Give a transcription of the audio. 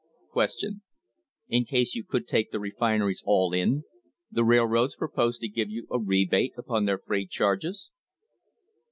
Q. In case you could take the refineries all in, the railroads proposed to give you a rebate upon their freight charges